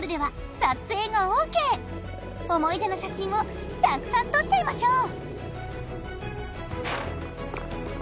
思い出の写真をたくさん撮っちゃいましょう